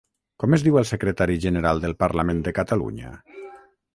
Com es diu el secretari general del Parlament de Catalunya?